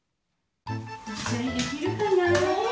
いっしょにできるかな？